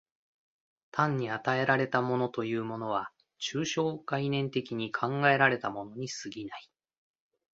単に与えられたものというものは、抽象概念的に考えられたものに過ぎない。